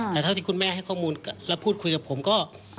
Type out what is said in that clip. แต่เท่าที่คุณแม่ให้ข้อมูลและพูดคุยกับผมก็